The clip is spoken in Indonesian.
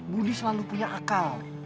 buli selalu punya akal